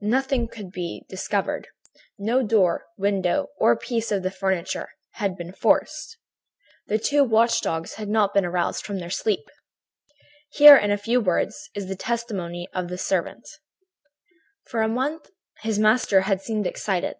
Nothing could be discovered. No door, window or piece of furniture had been forced. The two watch dogs had not been aroused from their sleep. "Here, in a few words, is the testimony of the servant: "For a month his master had seemed excited.